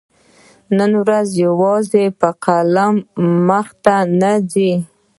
نن ورځ يوازي په قلم کار مخته نه ځي.